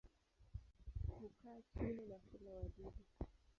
Hukaa chini na hula wadudu.